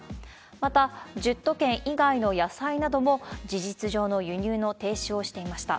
また、１０都県以外の野菜なども事実上の輸入の停止をしていました。